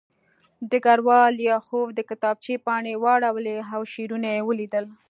ډګروال لیاخوف د کتابچې پاڼې واړولې او شعرونه یې ولیدل